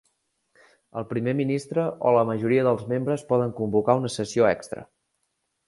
El Primer Ministre o la majoria dels membres poden convocar una sessió extra.